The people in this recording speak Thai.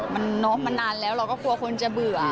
มันนานแล้วเราก็กลัวคนจะเบื่อ